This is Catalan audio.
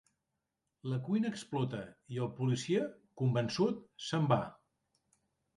La cuina explota, i el "policia", convençut, se'n va.